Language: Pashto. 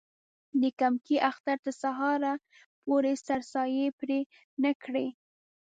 د کمکي اختر تر سهاره پورې سرسایې پرې نه کړي.